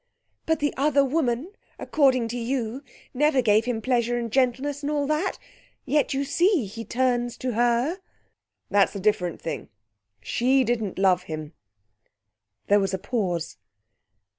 "But the other woman, according to you, never gave him pleasure and gentleness and all that yet you see he turns to her." "That's a different thing. She didn't love him." There was a pause.